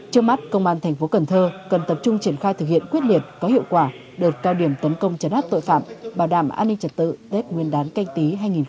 trước mắt công an tp cn cần tập trung triển khai thực hiện quyết liệt có hiệu quả đợt cao điểm tấn công chấn át tội phạm bảo đảm an ninh trật tự đếp nguyên đán canh tí hai nghìn hai mươi